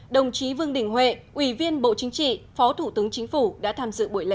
đồng chí vương đình huệ ủy viên bộ chính trị phó thủ tướng chính phủ đã tham dự buổi lễ